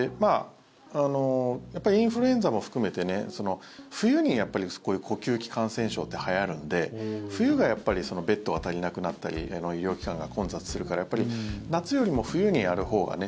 やっぱりインフルエンザも含めて冬に、こういう呼吸器感染症ってはやるんで冬がやっぱりベッドが足りなくなったり医療機関が混雑するから夏よりも冬にやるほうがね。